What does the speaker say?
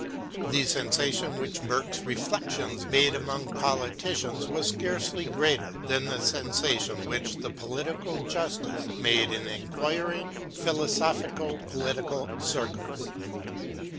The sensation which Burke's " Reflections " made among politicians was scarcely greater than the sensation which the " Political Justice " made in inquiring philosophico political circles.